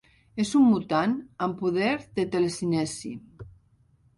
És un mutant amb poder de telecinesi.